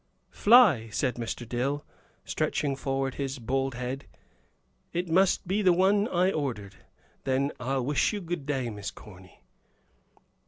"Fly," said Mr. Dill, stretching forward his bald head. "It must be the one I ordered. Then I'll wish you good day, Miss Corny."